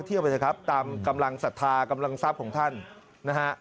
ตามกำลังศรัทธากำลังทรัพย์ของท่านนะฮะ